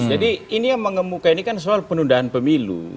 jadi ini yang mengemukai ini kan soal penundaan pemilu